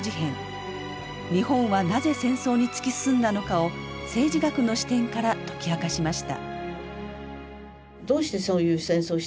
日本はなぜ戦争に突き進んだのかを政治学の視点から解き明かしました。